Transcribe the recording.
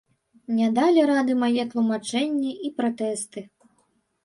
Не далі рады мае тлумачэнні і пратэсты.